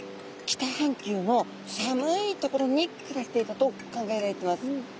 北半球の寒い所に暮らしていたと考えられてます。